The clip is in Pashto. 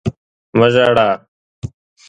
مه ژاړه!